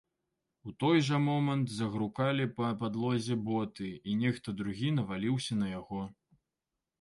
У той жа момант загрукалі па падлозе боты і нехта другі наваліўся на яго.